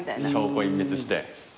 証拠隠滅して。